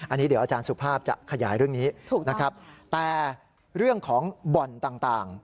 อันนี้เดี๋ยวอาจารย์สุภาพจะขยายเรื่องนี้ถูกนะครับแต่เรื่องของบ่อนต่าง